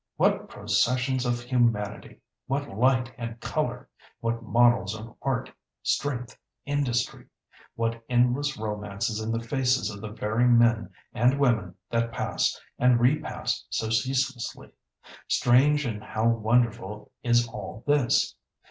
What processions of humanity—what light and colour! What models of art, strength, industry! What endless romances in the faces of the very men and women that pass and repass so ceaselessly! Strange and how wonderful is all this!